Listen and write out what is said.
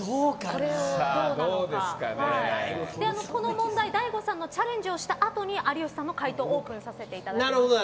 この問題、大悟さんのチャレンジをしたあとに有吉さんの回答をオープンさせていただきます。